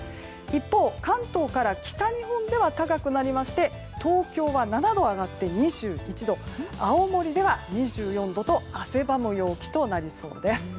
一方、関東から北日本では高くなりまして東京は７度上がって２１度青森では２４度と汗ばむ陽気となりそうです。